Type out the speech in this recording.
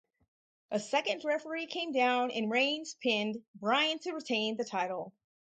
A second referee came down and Reigns pinned Bryan to retain the title.